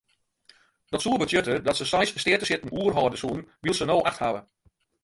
Dat soe betsjutte dat se seis steatesitten oerhâlde soenen wylst se no acht hawwe.